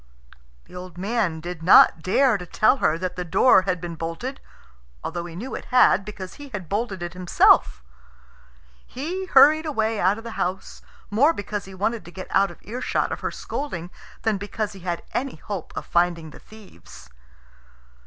The old man did not dare to tell her that the door had been bolted, although he knew it had, because he had bolted it himself. He hurried away out of the house, more because he wanted to get out of earshot of her scolding than because he had any hope of finding the thieves.